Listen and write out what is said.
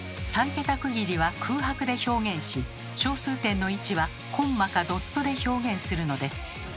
３桁区切りは空白で表現し小数点の位置はコンマかドットで表現するのです。